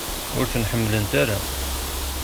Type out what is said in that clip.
Ur ten-ḥemmlent ara?